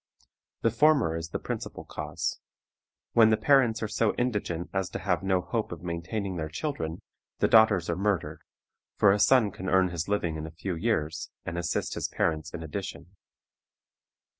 The former is the principal cause. When the parents are so indigent as to have no hope of maintaining their children, the daughters are murdered, for a son can earn his living in a few years, and assist his parents in addition.